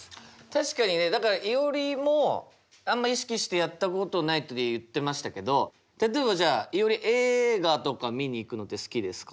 確かにねだからいおりもあんま意識してやったことないって言ってましたけど例えばじゃあいおり映画とか見に行くのって好きですか？